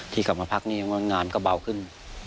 ที่กลับมาพักนี้งานก็เบาขึ้น